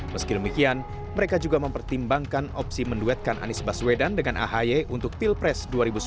meski demikian mereka juga mempertimbangkan opsi menduetkan anies baswedan dengan ahy untuk pilpres dua ribu sembilan belas